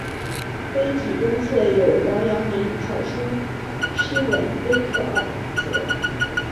碑体东侧有王阳明草书诗文碑刻二则。